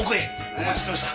お待ちしてました。